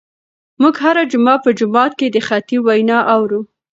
موږ هره جمعه په جومات کې د خطیب وینا اورو.